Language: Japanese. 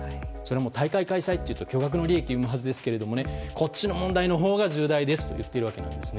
大会開催というと巨額の利益を生むはずですがこっちの問題のほうが重大ですと言ってるわけなんですね。